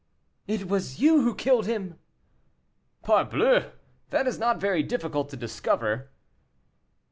"It was you who killed him." "Parbleu! that is not very difficult to discover."